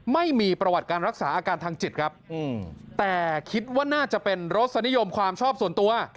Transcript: ไม่มีประวัติการรักษาอาการทางจิตครับแต่คิดว่าน่าจะเป็นรสนิยมความชอบส่วนตัว